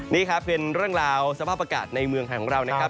นี่ครับเป็นเรื่องราวสภาพอากาศในเมืองไทยของเรานะครับ